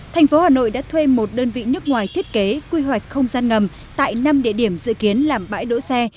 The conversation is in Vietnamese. thành phố hà nội đã thuê một đơn vị nước ngoài thiết kế quy hoạch không gian ngầm tại năm địa điểm dự kiến làm bãi đỗ xe